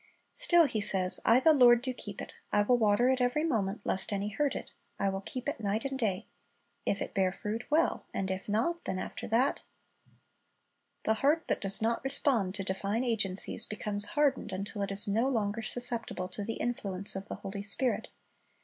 Still He says, "I the Lord do keep it; I will water it every moment; lest any hurt it, I will keep it night and day."* "If it bear fruit, well; and if not, then after that" — The heart that does not respond to divine agencies becomes hardened until it is no longer susceptible to the influence of the Holy Spirit.